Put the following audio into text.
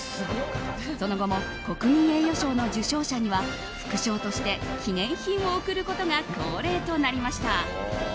その後も、国民栄誉賞の受賞者には副賞として記念品を贈ることが恒例となりました。